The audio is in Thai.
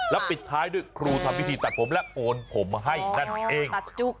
แล้วปิดท้ายด้วยครูทำพิธีตัดผมและโอนผมให้นั่นเอง